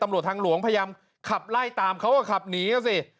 ตำรวจทางหลวงพยายามขับไล่ตามเขาก็ขับหนีก็สิ